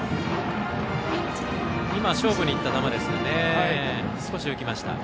今、勝負にいった球ですが少し浮きました。